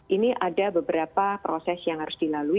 ini ada beberapa proses yang harus dilalui